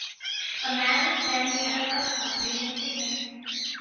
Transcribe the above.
A man is standing at a bus stop reading a paper.